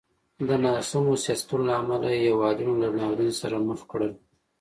د ناسمو سیاستونو له امله یې هېوادونه له ناورین سره مخ کړل.